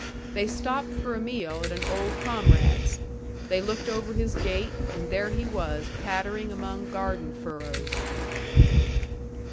They stopped for a meal at an old comrade's. They looked over his gate, and there he was pattering among garden furrows.